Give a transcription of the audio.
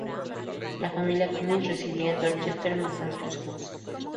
La familia Cummins residía en Dorchester, Massachusetts.